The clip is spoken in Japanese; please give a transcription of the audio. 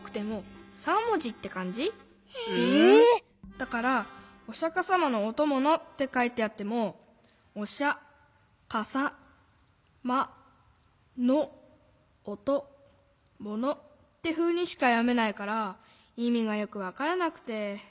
だから「おしゃかさまのおともの」ってかいてあっても。ってふうにしかよめないからいみがよくわからなくて。